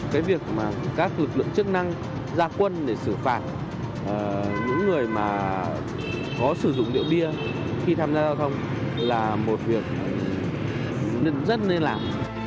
cái việc mà các lực lượng chức năng ra quân để xử phạt những người mà có sử dụng rượu bia khi tham gia giao thông là một việc rất nên làm